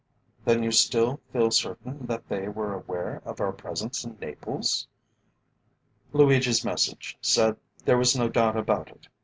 "Then you still feel certain that they were aware of our presence in Naples?" "Luigi's message said there was no doubt about it.